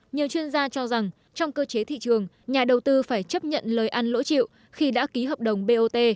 nhiều chuyên gia cho rằng trong cơ chế thị trường nhà đầu tư phải chấp nhận lời ăn lỗi chịu khi đã ký hợp đồng bot